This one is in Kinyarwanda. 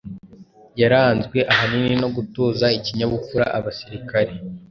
yaranzwe ahanini no gutoza ikinyabupfura abasirikare,